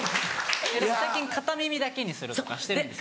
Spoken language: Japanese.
だから最近片耳だけにするとかしてるんですよ。